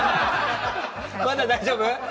まだ大丈夫？